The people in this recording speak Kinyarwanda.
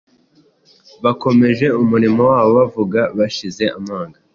bakomeje umurimo wabo “bavuga bashize amanga,